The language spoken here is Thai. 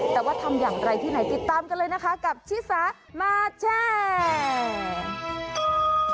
แต่ว่าทำอย่างไรที่ไหนติดตามกันเลยนะคะกับชิสามาแชร์